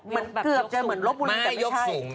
มันเหมือนรบบุรีแต่ไม่ใช่